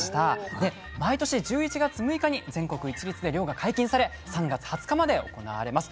で毎年１１月６日に全国一律で漁が解禁され３月２０日まで行われます